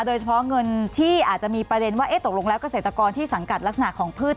โดยเฉพาะเงินที่อาจจะมีประเด็นว่าตกลงแล้วเกษตรกรที่สังกัดลักษณะของพืช